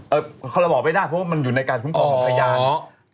เขาบอกเราบอกไม่ได้เพราะว่ามันอยู่ในการคุ้มครองของพยาน